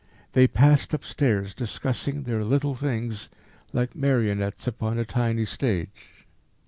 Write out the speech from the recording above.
They passed upstairs, discussing their little things, like marionettes upon a tiny stage.